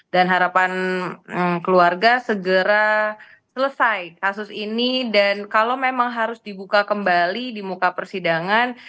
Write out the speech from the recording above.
dan harapan keluarga segera selesai kasus ini dan kalau memang harus dibuka kembali di muka persidangan